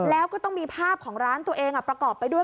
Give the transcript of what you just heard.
แล้วก็ต้องมีภาพของร้านตัวเองประกอบไปด้วย